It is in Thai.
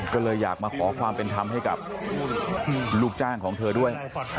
ก็เลยอยากมาขอความเป็นธรรมให้กับลูกจ้างของเธอด้วย